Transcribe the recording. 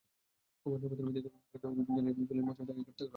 গোপন সংবাদের ভিত্তিতে বাড়িতে অভিযান চালিয়ে চোলাই মদসহ তাঁকে গ্রেপ্তার করা হয়।